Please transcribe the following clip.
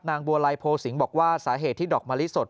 บัวไลโพสิงห์บอกว่าสาเหตุที่ดอกมะลิสด